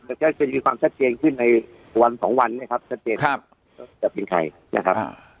แล้วก็จะมีความชัดเจนขึ้นในวันสองวันนะครับชัดเจนว่าจะเป็นใครนะครับ